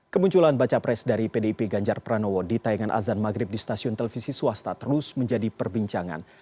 kemunculan baca pres dari pdip ganjar pranowo di tayangan azan maghrib di stasiun televisi swasta terus menjadi perbincangan